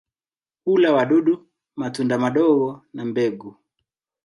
Hula wadudu, matunda madogo na mbegu.